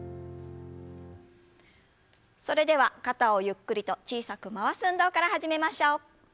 それでは肩をゆっくりと小さく回す運動から始めましょう。